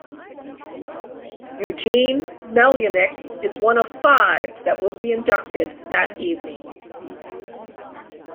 Eugene Melynk is one of five that will be inducted that evening.